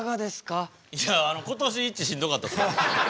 いや今年いちしんどかったっすよ。